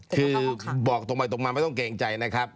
คือบอกตรงไปตรงมาไม่ต้องเกรงใจนะครับ